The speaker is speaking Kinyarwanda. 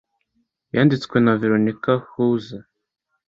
Yanditswe na Veronica Houser